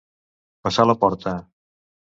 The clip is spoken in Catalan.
Passar la porta.